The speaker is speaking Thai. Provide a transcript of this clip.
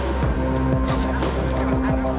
มันกลายเป็นแบบที่สุดแต่กลายเป็นแบบที่สุดแต่กลายเป็นแบบที่สุด